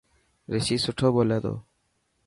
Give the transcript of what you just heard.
رشي سٺو ٻولي تو.